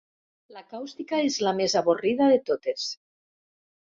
La càustica és la més avorrida de totes.